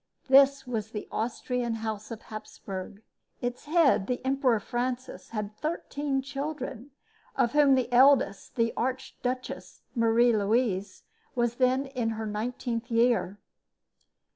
This was the Austrian house of Hapsburg. Its head, the Emperor Francis, had thirteen children, of whom the eldest, the Archduchess Marie Louise, was then in her nineteenth year.